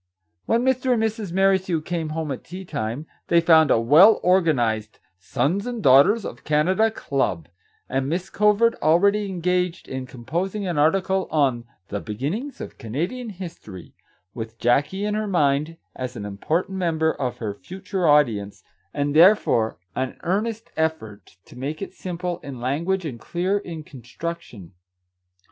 When Mr. and Mrs. Merrithew came home at tea time, they found a well organized " Sons and Daughters of Can ada " club, and Miss Covert already engaged in composing an article on " The Beginnings of Canadian History/' —with Jackie in her mind as an important member of her future audience, and therefore an earnest effort to make it simple in language and clear in con struction.